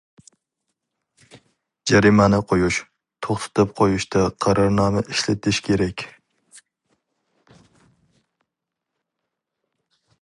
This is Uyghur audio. جەرىمانە قويۇش، توختىتىپ قويۇشتا قارارنامە ئىشلىتىش كېرەك.